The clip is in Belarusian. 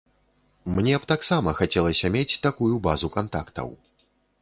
Мне б таксама хацелася мець такую базу кантактаў.